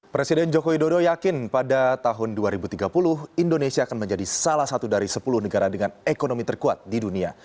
presiden jokowi dodo yakin pada tahun dua ribu tiga puluh indonesia akan menjadi salah satu dari sepuluh negara dengan ekonomi terkuat di dunia